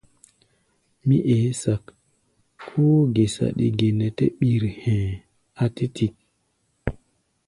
Mí eé sak, kóó gé saɗi ge nɛ ɓír hɛ̧ɛ̧, a̧ tɛ́ tik.